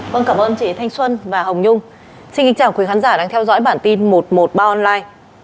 vâng cảm ơn chị thanh xuân và hồng nhung xin kính chào quý khán giả đang theo dõi bản tin một trăm một mươi ba online